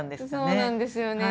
そうなんですよね。